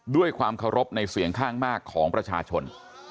ด้วยความเคารพในเสียงข้างมากของประชาชน